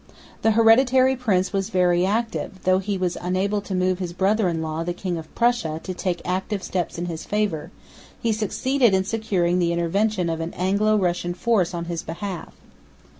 The hereditary prince was very active and, though he was unable to move his brother in law, the King of Prussia, to take active steps in his favour, he succeeded in securing the intervention of an Anglo Russian force on his behalf.